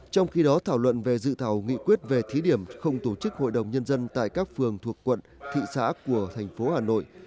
trong khi đó thảo luận về dự thảo nghị quyết về thí điểm không tổ chức hội đồng nhân dân tại các phường thuộc quận thị xã của thành phố hà nội